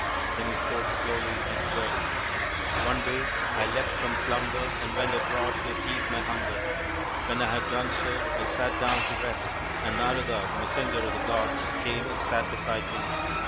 Then he spoke slowly and clearly :" One day I leapt from slumber and went abroad to appease my hunger. When I had done so, I sat down to rest, and Narada, the Messenger of the Gods, came and sat beside me.